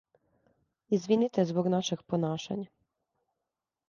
Извините због нашег понашања.